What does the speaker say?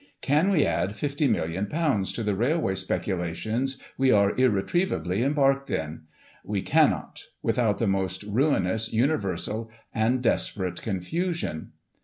Can we add ;6"50,ooo, ooo to the railway speculations we are irretrievably embarked in } We cannot, without the most ruinous, universal and desperate confusion."